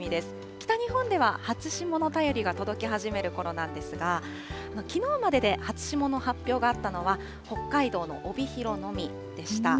北日本では初霜の便りが届き始めるころなんですが、きのうまでで初霜の発表があったのは、北海道の帯広のみでした。